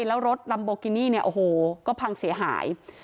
แล้วรถลัมโบกินี่เนี่ยโอ้โหก็พังเสียหาย